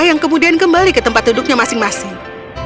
yang kemudian kembali ke tempat duduknya masing masing